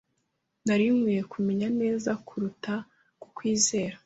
Nari nkwiye kumenya neza kuruta kukwizera.